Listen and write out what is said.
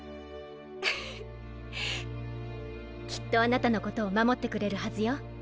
きっとあなたのことを守ってくれるはずよ。